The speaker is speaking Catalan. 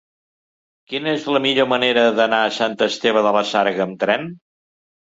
Quina és la millor manera d'anar a Sant Esteve de la Sarga amb tren?